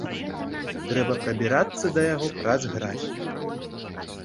Трэба прабірацца да яго праз гразь.